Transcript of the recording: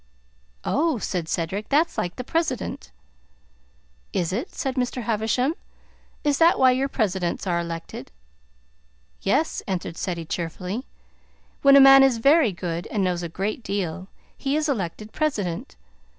"Oh!" said Cedric; "that's like the President." "Is it?" said Mr. Havisham. "Is that why your presidents are elected?" "Yes," answered Ceddie cheerfully. "When a man is very good and knows a great deal, he is elected president.